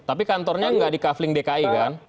tapi kantornya nggak di couveling dki kan